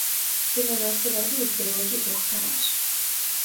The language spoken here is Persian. به مناسبت ازدواج دخترش